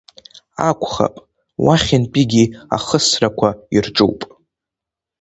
Акәхап, уахьынтәигьы ахысрақәа ирҿуп!